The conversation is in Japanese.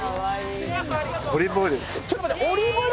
オリーブオイル。